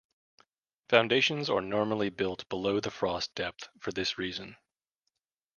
Foundations are normally built below the frost depth for this reason.